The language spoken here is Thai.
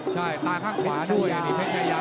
ใช่ตาข้างขวาด้วยเป็นไชยา